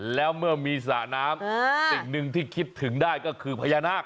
แล้วเมื่อมีสระน้ำสิ่งหนึ่งที่คิดถึงได้ก็คือพญานาค